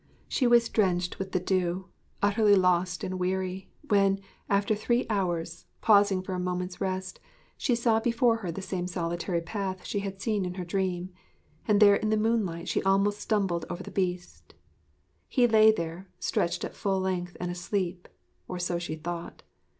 She was drenched with the dew, utterly lost and weary, when, after three hours, pausing for a moment's rest, she saw before her the same solitary path she had seen in her dream: and there in the moonlight she almost stumbled over the Beast. He lay there, stretched at full length and asleep or so she thought.